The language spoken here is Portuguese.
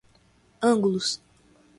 ângulos